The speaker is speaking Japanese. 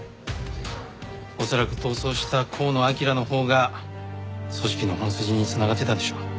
恐らく逃走した河野彬のほうが組織の本筋に繋がってたんでしょう。